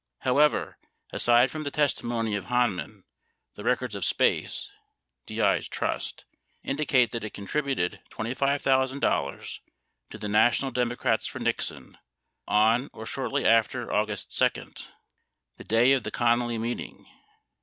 68 However, aside from the testimony of Han roan, the records of SPACE (DPs trust) indicate that it contributed $25,000 to the National Democrats for Nixon on or shortly after Au gust 2 — the day of the Connally meeting.